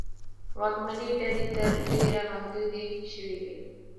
واکمنې ډلې تر ډېره محدودې شوې وې.